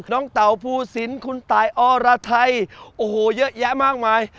เต่าภูสินคุณตายอรไทยโอ้โหเยอะแยะมากมาย